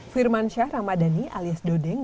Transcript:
firman syah ramadhani alias dodeng